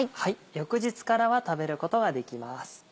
翌日からは食べることができます。